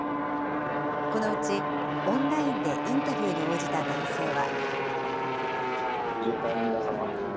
このうちオンラインでインタビューに応じた男性は。